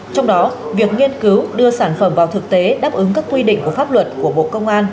trong đó việc nghiên cứu đưa sản phẩm vào thực tế đáp ứng các quy định của pháp luật của bộ công an